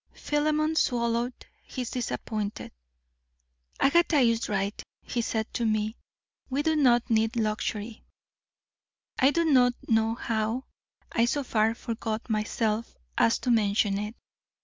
Philemon swallowed his disappointment. 'Agatha is right,' he said to me. 'We do not need luxury. I do not know how I so far forgot myself as to mention it.'